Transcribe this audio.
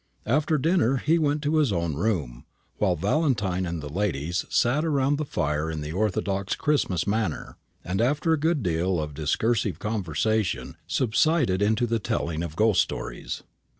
After dinner he went to his own room; while Valentine and the ladies sat round the fire in the orthodox Christmas manner, and after a good deal of discursive conversation, subsided into the telling of ghost stories.